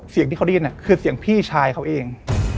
เสียงที่เขาได้ยินคือเสียงพี่ชายเขาเอง